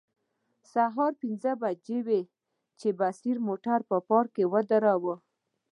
سهار پنځه بجې وې چې بصیر موټر پارکینګ کې ودراوه.